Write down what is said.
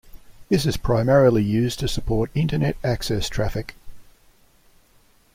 This is primarily used to support Internet access traffic.